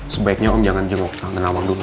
sebaiknya om jangan jenguk tangan awang dulu